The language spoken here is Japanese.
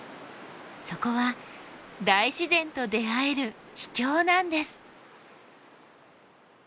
そこは大自然と出会える秘境なんです。